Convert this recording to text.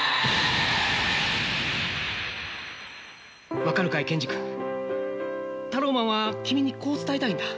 分かるかい健二君タローマンは君にこう伝えたいんだ。